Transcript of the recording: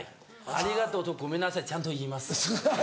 ありがとうとごめんなさいちゃんと言います。